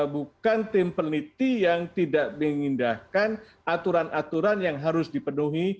bukan tim peneliti yang tidak mengindahkan aturan aturan yang harus dipenuhi